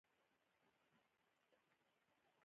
فلم باید د ولسي ژبې ملاتړ وکړي